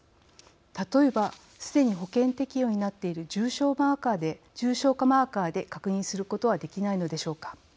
例えばすでに保険適用になっている重症化マーカーで確認することはできないのでしょうか。